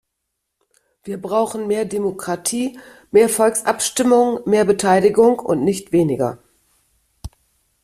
Wir brauchen mehr Demokratie, mehr Volksabstimmungen, mehr Beteiligung und nicht weniger.